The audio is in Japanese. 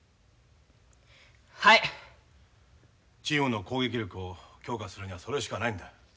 チームの攻撃力を強化するにはそれしかないんだ。